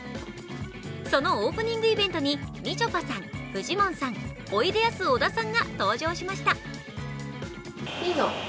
そのオープニングイベントにみちょぱさん、フジモンさん、おいでやす小田さんが登場しました。